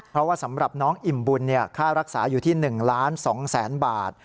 เพราะว่าสำหรับน้องอิ่มบุญค่ารักษาอยู่ที่๑ล้าน๒แสนบาท